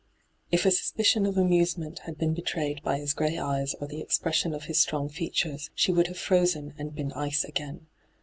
If a suspicion of amuse ment had been betrayed by his grey eyes or the expression of his strong features, she would have frozen and been ice again.